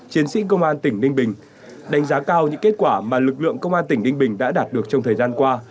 chiến sĩ công an tỉnh ninh bình đánh giá cao những kết quả mà lực lượng công an tỉnh ninh bình đã đạt được trong thời gian qua